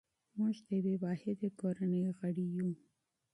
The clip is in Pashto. موږ د یوې واحدې کورنۍ غړي یو.